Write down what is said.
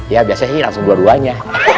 ya biasanya sih langsung dua duanya